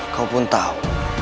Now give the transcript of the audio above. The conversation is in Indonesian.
kau pun tahu